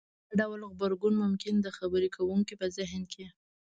دا ډول غبرګون ممکن د خبرې کوونکي په زهن کې